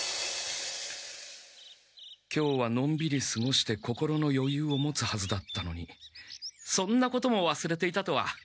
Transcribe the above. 今日はのんびりすごして心のよゆうを持つはずだったのにそんなこともわすれていたとは。